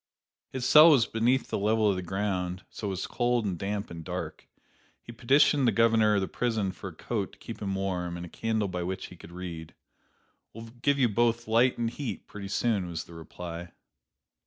His cell was beneath the level of the ground, so was cold and damp and dark. He petitioned the governor of the prison for a coat to keep him warm and a candle by which he could read. "We'll give you both light and heat, pretty soon," was the reply.